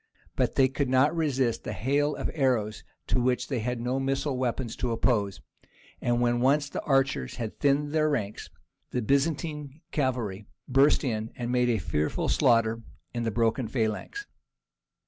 But they could not resist the hail of arrows to which they had no missile weapons to oppose, and when once the archers had thinned their ranks, the Byzantine cavalry burst in, and made a fearful slaughter in the broken phalanx.